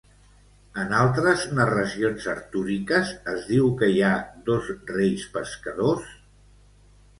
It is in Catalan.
En altres narracions artúriques es diu que hi ha dos reis pescadors?